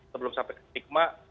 sebelum sampai stigma